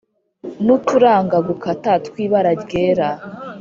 n'uturanga gukata tw'ibara ryera.